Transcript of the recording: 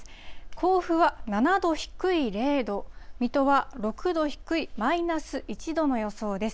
甲府は７度低い０度、水戸は６度低いマイナス１度の予想です。